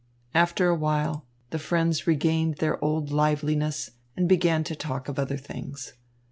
After a while, the friends regained their old liveliness and began to talk of other things.